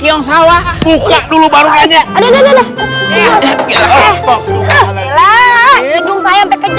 kiong sawah buka dulu baru aja ada ada